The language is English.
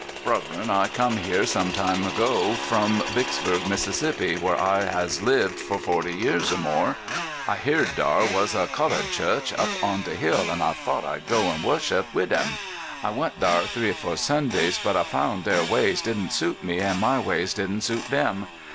"Bruthren, I come here sometime ago, from Vicksburg, Miss., where I has lived for forty year, or more. I heered dar was a culud church op on de hill, an' I thought I'd go an' washup wid 'em. I went dar three or fo' Sundays, but I foun' deir ways didn't suit me, an' my ways didn't suit dem.